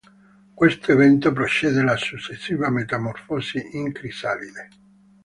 Questo evento precede la successiva metamorfosi in crisalide.